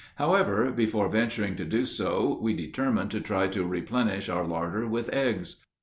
However, before venturing to do so, we determined to try to replenish our larder with eggs.